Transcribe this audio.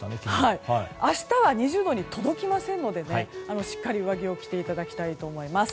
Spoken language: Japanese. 明日は２０度に届きませんのでしっかり上着を着ていただきたいと思います。